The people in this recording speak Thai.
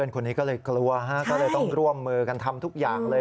คนนี้ก็เลยกลัวฮะก็เลยต้องร่วมมือกันทำทุกอย่างเลย